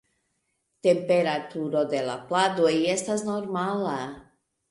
Temperaturo de la pladoj estas normala.